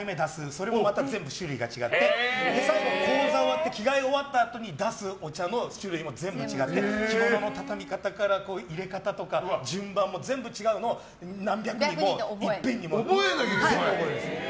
それもまた全部種類が違って最後、高座が終わって着替え終わったあとに出すお茶の種類も全部違って着物の畳み方から入れ方、順番も全部違うのを何百人のをいっぺんに全部覚えるんですよ。